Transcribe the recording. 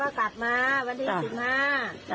แล้วก็กลับมาวันที่สิบห้า